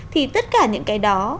thì tất cả những cái đó